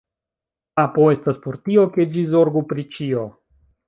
Kapo estas por tio, ke ĝi zorgu pri ĉio.